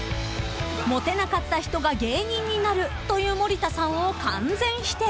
［モテなかった人が芸人になるという森田さんを完全否定］